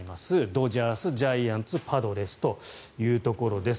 ドジャース、ジャイアンツパドレスというところです。